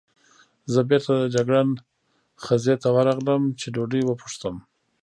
زه بېرته د جګړن خزې ته ورغلم، چې ډوډۍ وپوښتم.